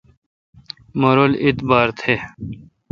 مہ رل اعبار تھ۔